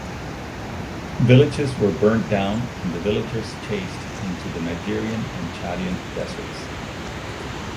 Villages were burnt down and the villagers chased into the Nigerian and Chadian deserts.